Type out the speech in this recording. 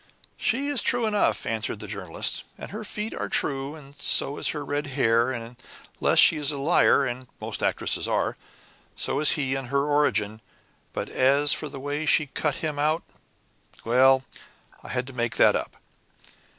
"She is true enough," answered the Journalist, "and her feet are true, and so is her red hair, and, unless she is a liar, and most actresses are, so is he and her origin, but as for the way she cut him out well, I had to make that up.